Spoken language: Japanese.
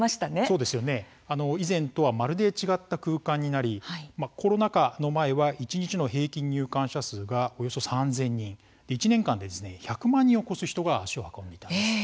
そうですね、以前とはまるで違った空間になりコロナ禍の前は一日の平均入館者数がおよそ３０００人１年間で１００万人を超す人が足を運んでいたんです。